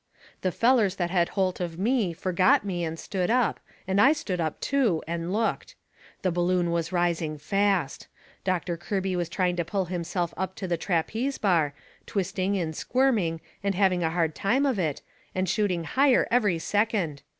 The fellers that had holt of me forgot me and stood up, and I stood up too, and looked. The balloon was rising fast. Doctor Kirby was trying to pull himself up to the trapeze bar, twisting and squirming and having a hard time of it, and shooting higher every second.